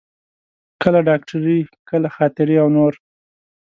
کله ډاکټري، کله خاطرې او نور.